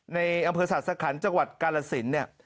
ในอำเภอศาสขันจังหวัดกาลสินเนี่ย